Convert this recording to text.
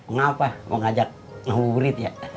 ngapain mau ngajak nguburit ya